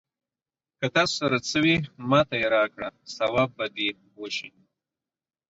که تا سره څه وي، ماته يې راکړه ثواب به دې وشي.